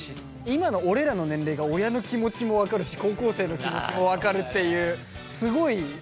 今の俺らの年齢が親の気持ちも分かるし高校生の気持ちも分かるっていうすごい中間にいるよね。